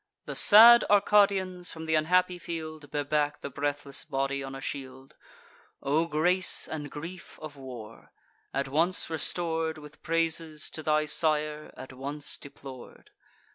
The sad Arcadians, from th' unhappy field, Bear back the breathless body on a shield. O grace and grief of war! at once restor'd, With praises, to thy sire, at once deplor'd!